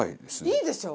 いいでしょ？